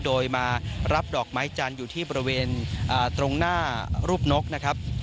โดยมารับดอกไม้จันทร์อยู่ที่บริเวณตรงหน้ารูปนกนะครับ